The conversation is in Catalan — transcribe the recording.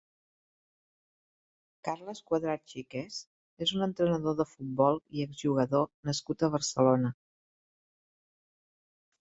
Carles Cuadrat Xiqués és un entrenador de futbol i exjugador nascut a Barcelona.